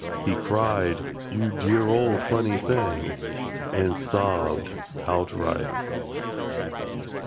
He cried, "You dear old funny thing!" And Sobbed Outright.